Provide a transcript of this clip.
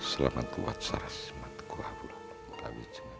ya itu juga